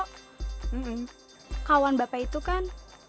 kam kawan bapak itu kan